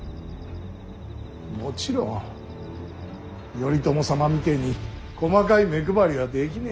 もちろん頼朝様みてえに細かい目配りはできねえ。